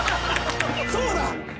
そうだ！